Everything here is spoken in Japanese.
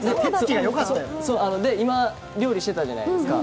今、料理してたじゃないですか。